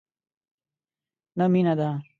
نه مینه ده،